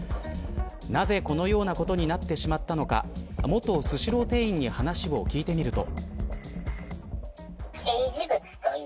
なぜこのようなことになってしまったのか元スシロー店員に話を聞いてみると。